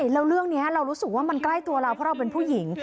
แล้วเรื่องนี้เรารู้สึกว่ามันใกล้ตัวเราเพราะเราเป็นผู้หญิง